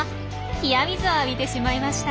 冷や水を浴びてしまいました。